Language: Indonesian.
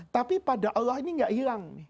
tapi pada allah ini gak hilang nih